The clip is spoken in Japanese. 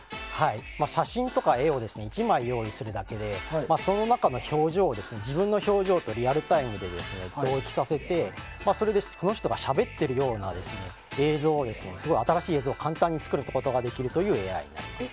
写真とか絵を１枚用意するだけでその中の表情を、自分の表情とリアルタイムで同期させてこの人がしゃべっているような映像をすごく新しい映像を簡単に作れるというＡＩになります。